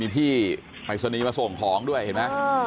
มีพี่ไฟศนีมาส่งของด้วยเห็นไหม